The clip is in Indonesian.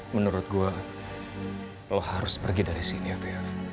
menurut gua lo harus pergi dari sini